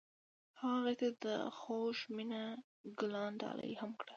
هغه هغې ته د خوږ مینه ګلان ډالۍ هم کړل.